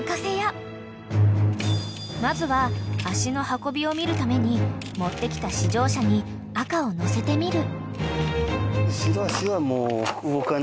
［まずは脚の運びを見るために持ってきた試乗車に赤を乗せてみる］